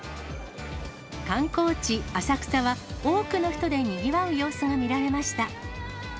観光地、浅草は、多くの人でにぎわう様子が見られました。